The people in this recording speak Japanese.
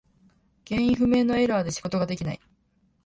原因不明のエラーで仕事ができない。